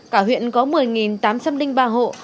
cả huyện có một mươi tám trăm linh ba hộ